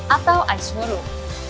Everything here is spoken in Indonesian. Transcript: atau ice forum